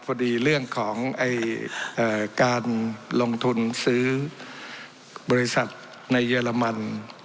เรื่องของการลงทุนซื้อบริษัทในเยอรมัน